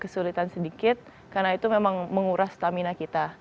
kesulitan sedikit karena itu memang menguras stamina kita